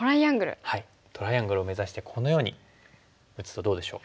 トライアングルを目指してこのように打つとどうでしょう？